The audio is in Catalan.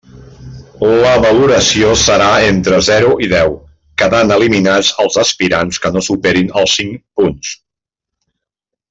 La valoració serà entre zero i deu, quedant eliminats els aspirants que no superin els cinc punts.